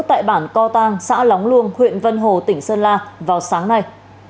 tại bản co tăng xã lóng luông huyện vân hồ tỉnh sơn la vào sáng nay